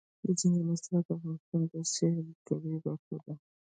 دځنګل حاصلات د افغانستان د سیلګرۍ برخه ده.